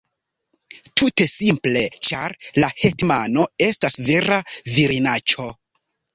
Tute simple, ĉar la hetmano estas vera virinaĉo!